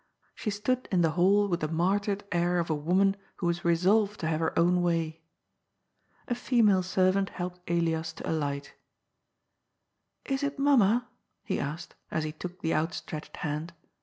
She stood in the hall with the martyred air of a woman who is resolved to have her own way. A female servant helped Elias to alight *^ Is it mam ma?" he asked, as he took the outstretched hand.